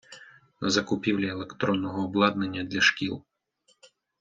на закупівлі електронного обладнання для шкіл.